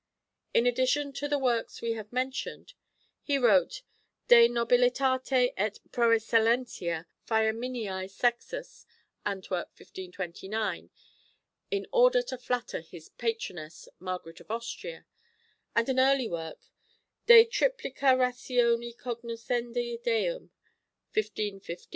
In addition to the works we have mentioned, he wrote De Nobilitate et Proecellentia Faeminei Sexus (Antwerp, 1529), in order to flatter his patroness Margaret of Austria, and an early work, De Triplici Ratione Cognoscendi Deum (1515).